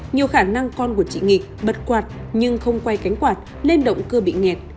nhiều khả năng con của chị nghịch bật quạt nhưng không quay cánh quạt lên động cơ bị nghẹt